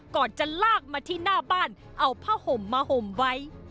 ก่อนจะลากมาที่หน้าบ้านเอาผ้าห่มมาห่มไว้